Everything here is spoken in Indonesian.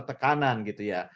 tekanan gitu ya